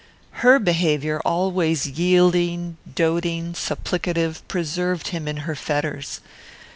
Her behaviour, always yielding, doting, supplicative, preserved him in her fetters.